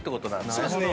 そうですね。